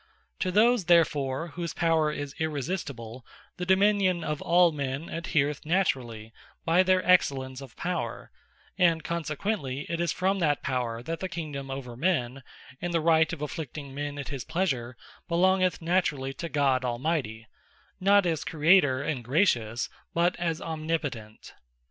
To those therefore whose Power is irresistible, the dominion of all men adhaereth naturally by their excellence of Power; and consequently it is from that Power, that the Kingdome over men, and the Right of afflicting men at his pleasure, belongeth Naturally to God Almighty; not as Creator, and Gracious; but as Omnipotent.